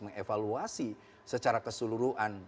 mengevaluasi secara keseluruhan